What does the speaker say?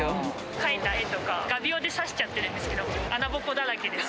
描いた絵を画びょうで刺してるんですけど、穴ぼこだらけです。